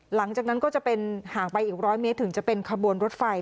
หลังจากนั้นก็จะเป็นห่างไปอีก๑๐๐เมตรถึงจะเป็นขบวนรถไฟ